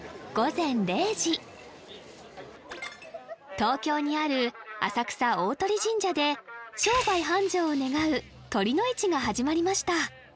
東京にある浅草鷲神社で商売繁盛を願う酉の市が始まりました